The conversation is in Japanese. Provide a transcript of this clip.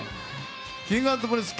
Ｋｉｎｇ＆Ｐｒｉｎｃｅ